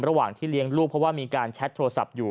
ระหว่างที่เลี้ยงลูกเพราะว่ามีการแชทโทรศัพท์อยู่